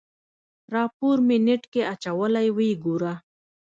راپور مې نېټ کې اچولی ويې ګوره.